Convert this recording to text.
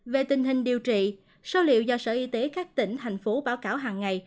về tình hình điều trị số liệu do sở y tế các tỉnh thành phố báo cáo hàng ngày